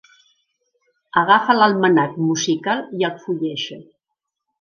Agafa l'almanac musical i el fulleja.